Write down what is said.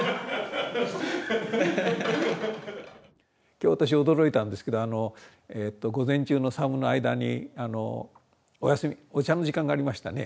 今日私驚いたんですけど午前中の作務の間にお休みお茶の時間がありましたね。